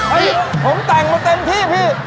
ผมแต่งมาเต็มที่พี่